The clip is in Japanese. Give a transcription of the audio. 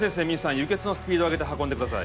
輸血のスピード上げて運んでください